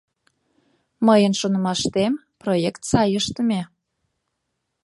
Мыйын шонымаштем, проект сай ыштыме.